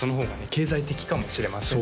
経済的かもしれませんね